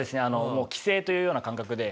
もう帰省というような感覚で。